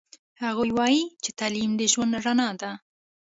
هغوی وایي چې تعلیم د ژوند رڼا ده